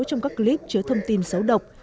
trong các clip chứa thông tin xấu độc